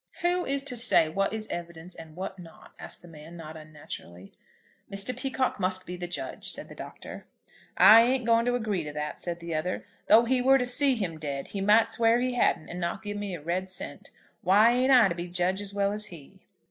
"Who is to say what is evidence, and what not?" asked the man, not unnaturally. "Mr. Peacocke must be the judge," said the Doctor. "I ain't going to agree to that," said the other. "Though he were to see him dead, he might swear he hadn't, and not give me a red cent. Why ain't I to be judge as well as he?"